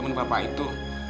temen bapak itu